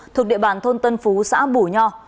thuộc địa bàn thôn tân phú xã bù nho